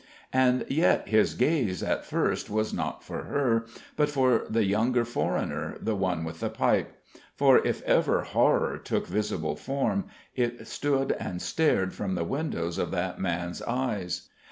And yet his gaze at first was not for her, but for the younger foreigner, the one with the pipe. For if ever horror took visible form, it stood and stared from the windows of that man's eyes.